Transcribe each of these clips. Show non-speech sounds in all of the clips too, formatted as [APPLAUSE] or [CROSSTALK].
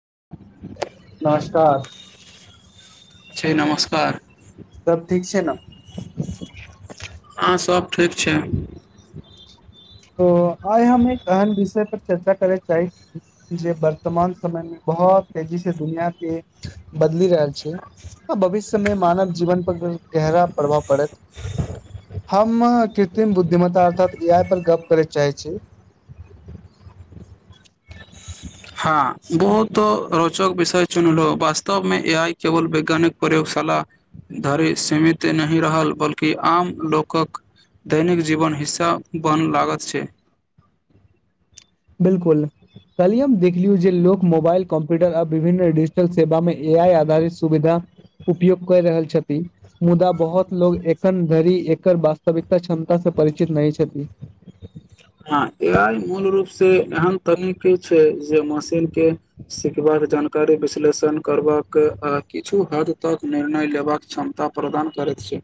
[UNINTELLIGIBLE] नमस्कार छै नमस्कार सब ठीक छै न। हँ, सभ ठीक छै। त आइ हम एक एहन विषय पर चर्चा करय चाहै छी, जे वर्तमान समय मे बहुत तेजी से दुनििया के बदलि रहल छै, आ भविष्य मे मानव जीवन पर गहरा प्रभाव पड़त, हम कृत्रिम बुद्धिम्ता अर्थात ई आइ पर गप कर चाही छै हँ, बहुत रोचक विषय चुनलहुँ वास्तव मे इ एआइ केवल वैज्ञानिक प्रयोगशाला धरि सीमित नहि रहल, बल्कि आम लोकक दैनिक जीवन हिस्सा बन लागत छै। बिलकुल, कलिय हम देखलियू जे लोको मोबाइल कम्प्यूटर आ विभिन्न डिजिटल सेवा मे एआइ आधारित सुविधा उपयोग कर रहल छथि मुदा बहुत लोग एखन धरि एकर वास्तविकता क्षमता से परिचित नहि छथि। हँ, एआइ मूल रूपसँ एहन तकनीक छै, जे मशीनकेँ सिखबाक जानकारी विश्लेषण करबाक आ किछु हद तक निर्णय लेबाक क्षमता प्रदान करैत छै।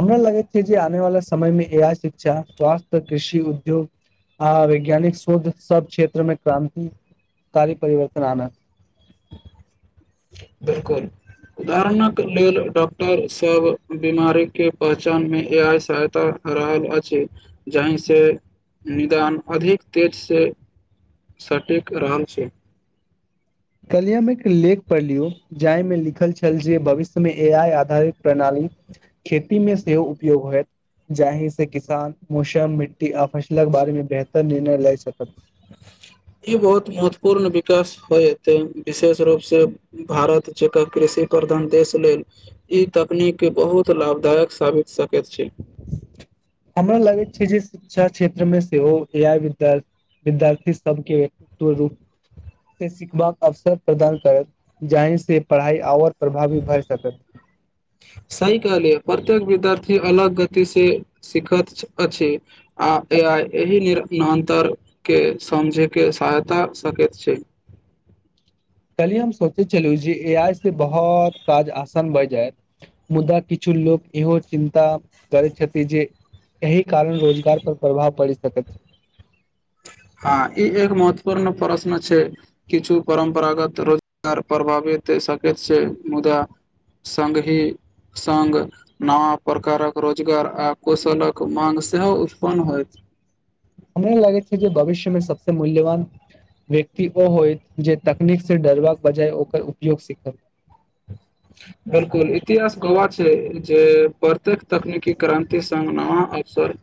हमरा लगै छै, जे आने वाले समय मे एआइ शिक्षा स्वास्थ्य कृषि उद्योग, आ वैज्ञानिक शोध सब क्षेत्र मे क्रान्तिकी परिवर्तन आना बिलकुल, उदाहरणक लेल डॉक्टर सभ बीमारी के पहचान मे इएह सहायता रहल अछि, जाहि सँ निदान अधिक तेज सँ सटीक रहल छै। कलियम एक लेख पढ़ लियौ, जाहिमे लिखल छल जे भविष्य मे एआइ आधारित प्रणाली खेती मे सेहो उपयोग होयत जाहि से किसान मौसम, मिट्टी, आ फसलक बारे मे बेहतर निर्णय लए सकत। ई बहुत महत्वपूर्ण विकास होयते, विशेष रूप से भारत जक कृषि प्रधान देश लेल ई तकनीक बहुत लाभदायक साबित सक हमरा लागै शिक्षा क्षेत्र मे सेहो एआई विद्या विद्यार्थी सबके व्यक्तित्व रूप से सिखबाक अवसर प्रदान करत, जाहिसँ पढ़ाइ आओर प्रभावी भए सकत सही कहिलियो प्रत्यक विद्य्थी थी अलग गति सँ सीखैत अछि, आ एआई एहि निर्तरके समझैके सहायता सकैत छै। कहल्ियै हम सोचै छलहुँ जे एआइ सँ बहुत काज आसान भए जायत, मुदा किछु लोक इहो चिन्ता करैत छथिन जे एहि कारण रोजगार पर प्रभाव पड़ी सक छी हँ, ई एक महत्वपूर्ण प्रश्न छै, किछु परम्परागत रोजगार प्रभावित त सकेत से मुदा सङ्गहिी सङ्ग, नवा प्रकारक रोजगार आ कौशलक माङ्ग सेहो उत्पन्न होत हमरा लागैत छै जे भविष्यमे सबस मूल्यवान व्यक्ति ओ होइत जे तकनीकसँ डरबाक बजाय ओकर उपयोग सीखब। बिलकुल इतिहास गवाह जे प्रतेक तकनीकी क्रान्ति सङ्ग नवा अवसर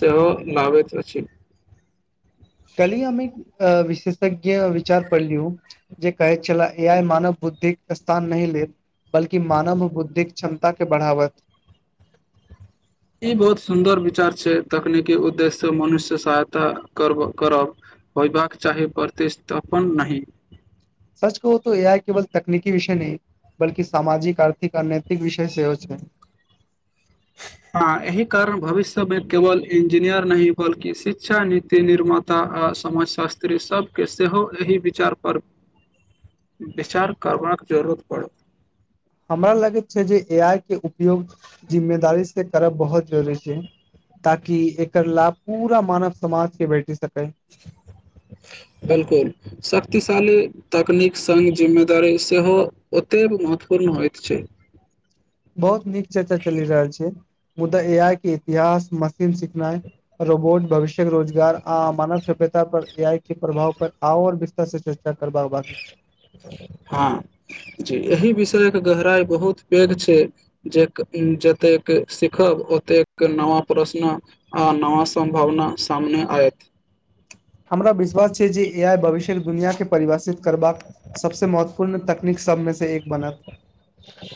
सेहो लाबैत अछि। कल ही हमी अ विशेषज्ञ विचार पढलियु, जे कहै छलाह एआइ मानव बुद्धिक स्थान नहिह लेत, बल्कि मानव बुद्धिक क्षमता के बढ़ावत। ई बहुत सुन्दर विचार छै, तकनीकी उद्देश्यसँ मनुष्य सहायता करब होयबाक चाही प्रतिस्थापन नहि। सच कहुँ तो एआई केवल तकनीकी विषय नहि बल्कि सामाजिक आर्थिक आ नैतिक विषय सेहो छै हँ, एहिह कारण भविष्य सभमे केवल इंजीनियर नहि, बल्कि शिक्षा नीति निर्माता आ समाजशास्त्री सभ केँ सेहो एहि विचार पर विचार करबाक जरूरत पड़त हमरा लगैत छै जे एआइ के उपयोग जिम्मेदारी से करब बहुत जरुरी छै, ताकि एकर लाभ पूरा मानव समाज के भेट सकै। बिल्कुल, शक्तिशाली तकनीक सङ्ग जिम्मेदारी सेहो ओतेक महत्वपूर्ण होइत छै। बहुत नीक चर्चा चलि रहल छै। मुदा एआई के इतिहास, मशीन सिखना, रोबोट, भविष्य रोजगार, आ मानव सभ्यता पर एआई के प्रभाव पर आओर विस्तर से च हँ, जी एहि विष एतेक गहराइ बहुत पैघ छै, जे जतेक सिखब ओतेक नवा प्रश्न, आ नवा सम्भावना सामने आयत। हमरा विश्वास छै जे एआइ भविष्य दुनििया के परिभाषित करबाक सबसे महत्वपूर्ण तक- नीक सबमे से एक बनत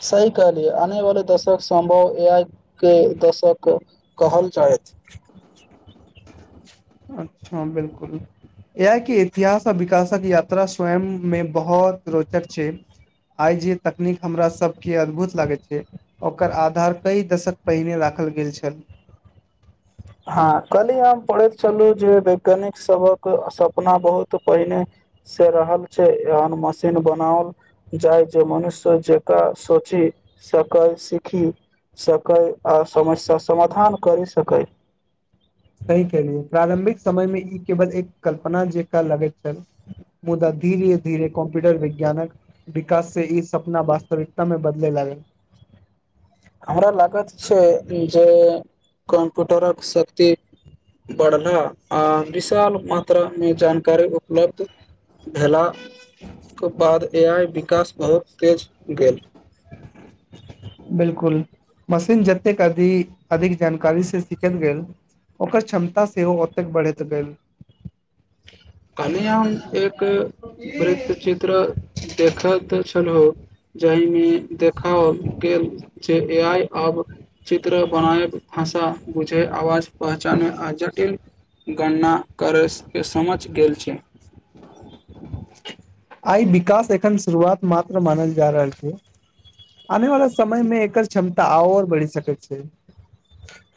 सही कहलियै। आने वाले दशक सम्भव ए आइ के दशक कहल जायत। अच्छा बिलकुल। यैह कि इतिहास आ विकास क यात्रा स्वयंमे बहुत रोचक छै, आइ जे तकनीक हमरा सबके अद्भुत लागैत छै ओकर आधार कई दशक पहिने राखल गेल छल। हां काल्हि हम पढ़ैत छलहुं जे वैज्ञानिक सबक सपना बहुत पहिने से रहल छै एहन मशीन बनाओल जाय जे मनुष्य जकरा सोचि सकै सीखि सकै आ समस्या समाधान करि सकै। सही कहलियै। प्रारम्भिक समय मे इ केवल एक कल्पना जेकां लगैत छल मुदा धीरे धीरे कम्प्युटर विज्ञानक विकास से इ सपना वास्तविकता मे बदलय लागल। हमरा लागैत छै जे कम्प्युटरक शक्ति बढ़ला आ विशाल मात्रामे जानकारी उपलब्ध भेलाक बाद ए आइ विकास बहुत तेज गेल बिलकुल, मशीन जतेक अभी अधिक जानकारी से सिखल गेल ओकर क्षमता सेहो ओतेक बढ़ैत गेल। काल्हिये हम एक वृत चित्र देखैत छ छलहुं जाहिमे देखाओल गेल जे ए आइ आब चित्र बनायब, भाषा बुझब, आवाज पहचानब आ जटिल गणना करै के समझ झ गेल छै। आइ विकास एखन शुरुआत मात्र मानल जा रहल छै, आने वाला समय मे एकर क्षमता आओर बढ़ि सकैत छै।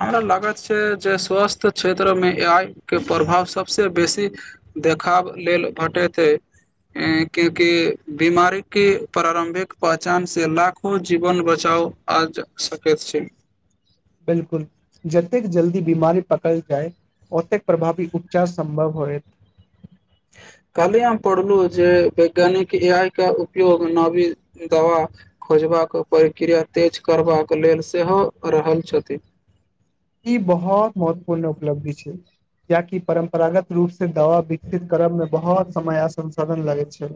हमरा लागैत छै जे स्वास्थ्य क्षेत्रमे ए आइ के प्रभाव सभसे बेसी देखाव लेल भेटेतै कियाकि बीमारीके प्रारम्भिक पहचानसे लाखो जीवन बचाव आबि सकैत छै। बिलकुल, जतेक जल्दी बीमारी पकड़ल जाय ओतेक प्रभावी उपचार सम्भव होयत। काल्हि हम पढ़लहुं जे वैज्ञानिक ए आइ के उपयोग नवी दवा खोजबाक प्रक्रिया तेज करबाक लेल सेहो क रहल छथि। इ बहुत महत्वपूर्ण उपलब्धि छै। कियाकि परम्परागत रूप से दवा विकसित करबमे बहुत समय आ संसाधन लागै छै।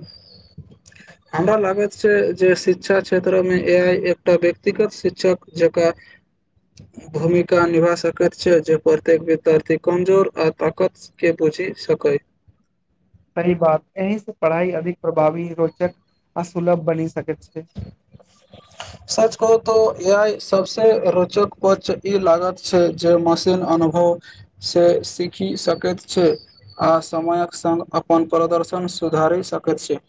हमरा लागैत छै जे शिक्षा क्षेत्रमे ए आइ एकटा व्यक्तिगत शिक्षक जकां भूमिका निभा सकैत छै जे प्रत्येक विद्यार्थी कमजोर आ ताकत के बुझि सकै। सही बात, एहि से पढ़ाइ अधिक प्रभावी, रोचक आ सुलभ बनी सकत। सच कहु तं ए आइ सबसं रोचक पक्ष ई लागैत छै जे मशीन अनुभवसे सीखि सकैत छै आ समयक संग अपन प्रदर्शन सुधारि सकैत छै।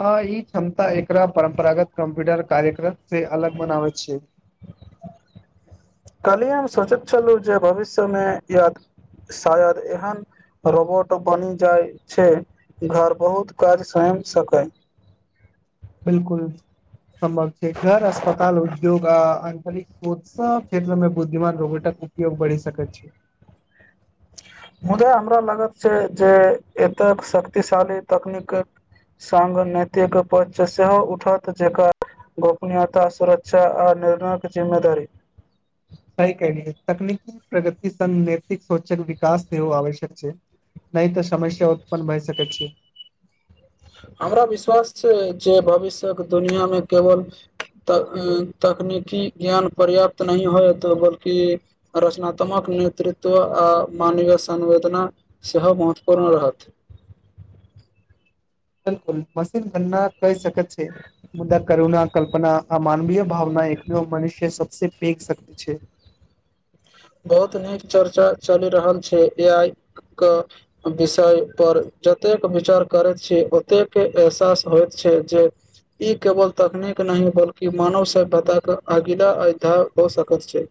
हां, इ क्षमता एक तरहक परम्परागत कम्प्युटर कार्यक्रम से अलग बनाबै छै। काल्हिये हम सोचैत छलहुं जे भविष्यमे याद शायद एहन रोबोट बनि जाइ छै घर बहुत काज स्वयं सकय। बिलकुल संभव छै घर, अस्पताल, उद्योग आ आंतरिक उत्सव क्षेत्रमे बुद्धिमान रोबोटक उपयोग बढ़ि सकैत छै। मुदा हमरा लागैत छै जे एतेक शक्तिशाली तकनीकक संग नैतिक पक्ष सेहो उठत जकर गोपनीयता सुरक्षा आ निर्णयक जिम्मेदारी सही कहलियै, तकनीकी प्रगति संग नैतिक सोचक विकास सेहोो आवश्यक छै, नहि त समस्या उत्पन्न भय सकै छै। हमरा विश्वास छै जे भविष्य्यक दुनियामे केवल त तकनीकी ज्ञान पर्याप्त नहि होयत बल्कि रचनात्मक नेतृत्व आ मानवीय संवेदना सेहो महत्वपूर्ण रहत। बिल्कुल मशीन गनना कहि सक- छै मुदा करुण कल्पना आ मानवीय भावना एखनहूँ मनुष्य सबसे पैघ शक्ति छै बहुत नीक चर्चा चलि रहल छै ए आइ कऽ विषय पर जतेक विचार करैत छी ओतेक एहसास होइत छै जे ई केवल तकनीक नहि बल्कि मानव सभ्यताक अगिला अधार होइ सकैत छै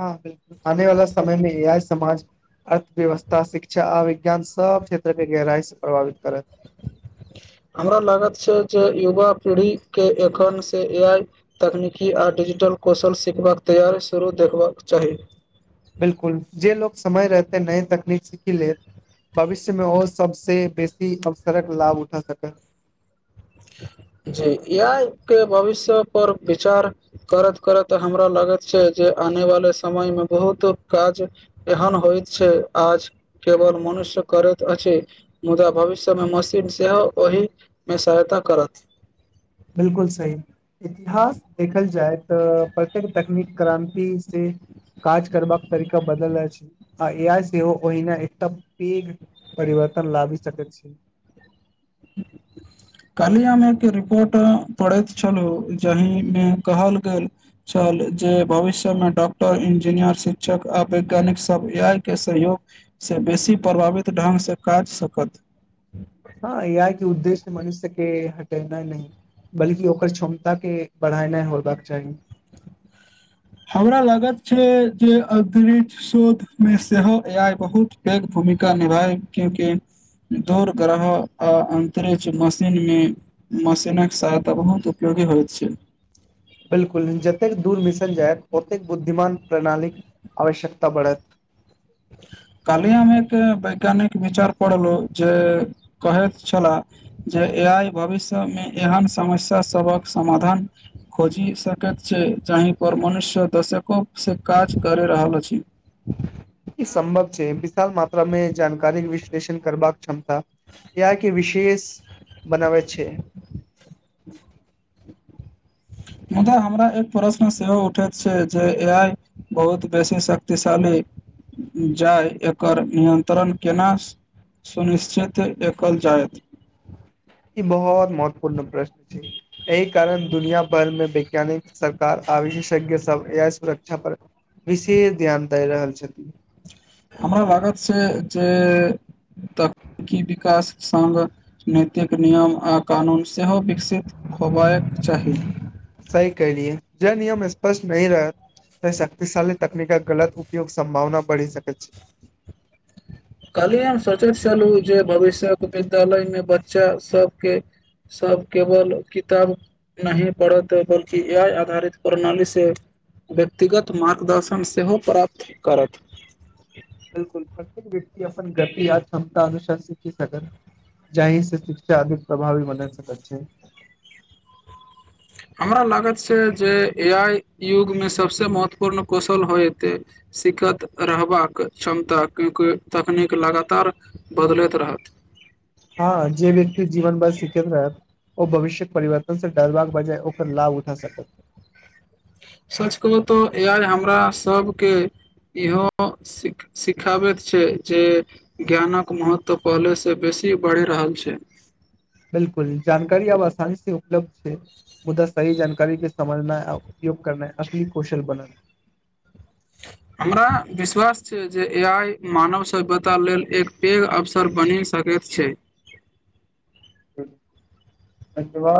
हाँ बिल्कुल आने वाला समय मे ए आइ समाज अर्थव्यवस्था शिक्षा आ विज्ञान सब क्षेत्र के गहराई से प्रभावित करत हमरा लागैत छै जे युवा पीढ़ीकेँ एखनसँ ए आइ तकनीकी आ डिजिटल कौशल सिखबाक तैयार शुरू देखबाक चाहि बिलकुल जे लोक समय रहते नये तकनीक सीखी लेत भविष्यमे ओहो सबस बेस- ई अब सड़क लाभ उठा सकैत जी एआई के भविष्य पर विचार करत करत हमरा लागैत छै जे आने वाले समयमे बहुत काज एहन होइ छै आज केवल मनुष्य करैत अछि मुदा भविष्यमे मशीन सेहो ओहिमे सहायता करत बिल्कुल सही इतिहास देखल जाय तऽ प्रत्येक तकनीक क्रान्ति से काज करबाक तरीका बदल अछि आ ए आइ सेहो ओहिना एकटा पैघ परिवर्तन लाबि सकैत छै काल्हि हम एक रिपोर्ट पढ़ैत छलहुँ जाहिमे कहल गेल छल जे भविष्यमे डॉक्टर इंजीनियर शिक्षक आ वैज्ञानिकसभ ए आइ के सहयोगसँ बेसी प्रभावित ढङ्गसँ काज कऽ सकत हाँ ए आइ के उद्देश्य मनुष्यके हटेनाइ नहि बल्कि ओकर क्षमता के बढ़ेनाइ होबाक चाही हमरा लागत छै जे अन्तरिक्ष शोधमे सेहो ए आइ बहुत पैघ भूमिका निभाय क्योंकि दूर ग्रह आ अन्तरिक्ष मशीनमे मशीनक सहायता बहुत उपयोगी होइत छै बिल्कुल जतेक दूर मिसन जाएत ओतेक बुद्धिमान प्रणालीक आवश्यकता बढ़त काल्हि हम एक वैज्ञानिक विचार पढ़लहूँ जे कहैत छलाह जे ए आइ भविष्यमे एहन समस्या सभक समाधान खोजि सकैत छै जाहिपर मनुष्य दशकों से काज करि रहल अछि ई सम्भव छै विशाल मात्रा मे जानकारीे विश्लेषण करबाक क्षमता इहाए कि विशेष बनाबै छै [UNINTELLIGIBLE] मुदा हमरा एक प्रश्न सेहो उठैत छै जे ए आइ बहुत बेसी शक्तिशाली जाय एकर नियन्त्रण केना सुनिश्चित काएल जाएत ई बहुत महत्वपूर्ण प्रश्न छै एहि कारण दुनिया भर मे वैज्ञानिक सरकार आ विशेषज्ञ सब ए आइ सुरक्षा पर विशेष ध्यान दै रहल छथिन हमरा लागत छै जे तकनीकी विकास सङ्ग नैतिक नियम आ कानून सेहो विकसित होबैक चाही जे नियम स्पष्ट नहि रहै तऽ शक्तिशाली तकनीकक गलत उपयोग संभावना बढि सकै अछि काल्हि हम सोचैत छलहुँ जे भविष्यक विद्यालयमे बच्चा सभके सभ केवल किताब नहि पढ़त बल्कि ए आइ आधारित प्रणालीसँ व्यक्तिगत मार्गदर्शन सेहो प्राप्त करत बिल्कुल [UNINTELLIGIBLE] की अपन गति आ क्षमता अनुशासित सकत जाहिसे शिक्षा अधिक प्रभावी बनत सब अच्छे हमरा लागैत छै जे ए आइ युगमे सभसँ महत्वपूर्ण कौशल होयत एतै सिखैत रहबाक क्षमता की तकनीक लगातार बदलैत रहत हाँ जे व्यक्ति जीवन भरि सिखैत रहत ओ भविष्यक परिवर्तन से डरबाक बजाय ओ लाभ उठा सकत सच कहू तऽ ए आइ हमरा सभकेँ इहो सिख- सिखाबैत छै जे ज्ञानक महत्व पहिलेसँ बेसी बढ़ि रहल छै बिल्कुल जानकारी अब आसानी से उपलब्ध छै मुदा सही जानकारी के समझनाइ आ उपयोग करनाइ असली कौशल बनत हमरा विश्वास छै जे ए आइ मानव सभ्यता लेल एक पैघ अवसर बनि सकैत छै एके बाद